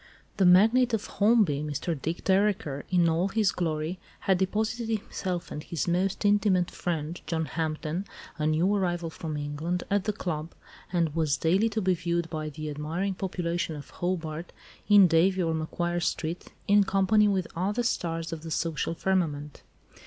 The magnate of Holmby, Mr. Dick Dereker, in all his glory, had deposited himself and his most intimate friend, John Hampden, a new arrival from England, at the club, and was daily to be viewed by the admiring population of Hobart in Davey or Macquarie Street in company with other stars of the social firmament.